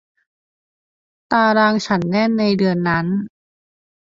ตารางฉันแน่นในเดือนนั้น